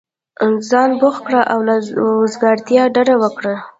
ځان بوخت كړه او له وزګارتیا ډډه وكره!